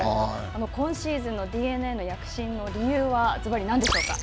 今シーズンのＤｅＮＡの躍進の理由は、ずばり何でしょうか。